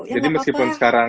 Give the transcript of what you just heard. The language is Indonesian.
jadi meskipun sekarang